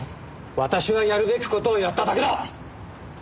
私はやるべき事をやっただけだ！